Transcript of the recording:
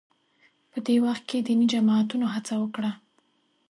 په دې وخت کې دیني جماعتونو هڅه وکړه